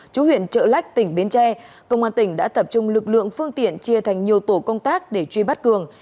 chú huyện trợ lách tỉnh bến tre công an tỉnh đã tập trung lực lượng phương tiện chia thành nhiều tổ công tác để truy bắt cường